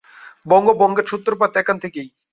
বঙ্গভঙ্গের সূত্রপাত এখান থেকেই।